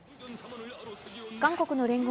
韓国の聯合